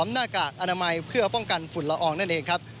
หน้ากากอนามัยเพื่อป้องกันฝุ่นละอองนั่นเองครับ